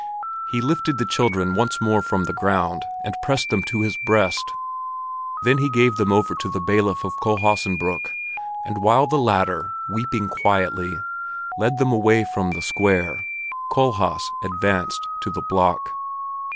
He lifted the children once more from the ground and pressed them to his breast; then he gave them over to the bailiff of Kohlhaasenbrück, and while the latter, weeping quietly, led them away from the square, Kohlhaas advanced to the block.